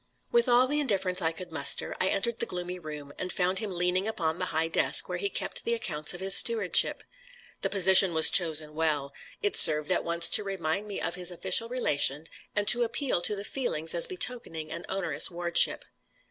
With all the indifference I could muster, I entered the gloomy room, and found him leaning upon the high desk where he kept the accounts of his stewardship. The position was chosen well. It served at once to remind me of his official relation, and to appeal to the feelings as betokening an onerous wardship.